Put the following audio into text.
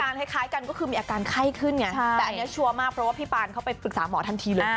คล้ายกันก็คือมีอาการไข้ขึ้นไงแต่อันนี้ชัวร์มากเพราะว่าพี่ปานเขาไปปรึกษาหมอทันทีเลย